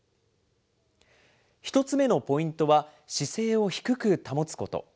１つ目のポイントは姿勢を低く保つこと。